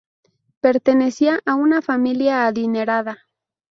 Pertenecía a una familia adinerada.